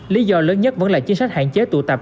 lý do lớn nhất vẫn là chính sách hạn chế tụ tập